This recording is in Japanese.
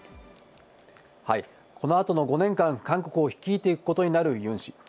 このあとの５年間、韓国を率いていくことになるユン氏。